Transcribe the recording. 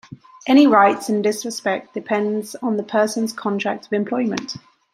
Any rights in this respect depend on the person's contract of employment.